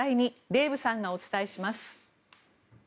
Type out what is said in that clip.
デーブさんがお伝えします。